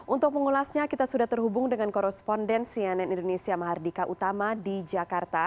untuk pengulasnya kita sudah terhubung dengan koresponden cnn indonesia mahardika utama di jakarta